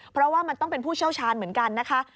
เพราะว่ามันต้องเป็นผู้เชี่ยวชาญเหมือนกันนะคะ